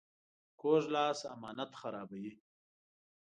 کوږ لاس امانت خرابوي